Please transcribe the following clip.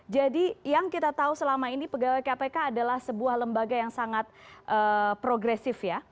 jadi yang kita tahu selama ini pegawai kpk adalah sebuah lembaga yang sangat progresif